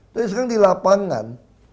tapi sekarang di lapangan